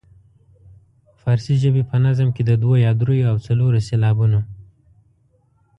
فارسي ژبې په نظم کې د دوو یا دریو او څلورو سېلابونو.